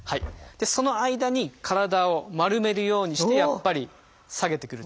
その間に体を丸めるようにして下げてくると。